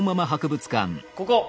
ここ。